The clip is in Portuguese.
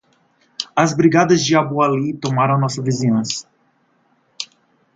As brigadas de Abu Ali tomam a nossa vingança